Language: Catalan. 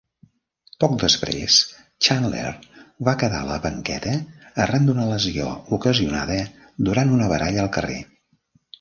Poc després, Chandler va quedar a la banqueta arran d'una lesió ocasionada durant una baralla al carrer.